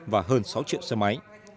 và hơn sáu triệu xe máy